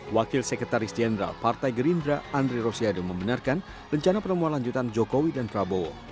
wakil sekretaris jenderal partai gerindra andre rosiade membenarkan rencana pertemuan lanjutan jokowi dan prabowo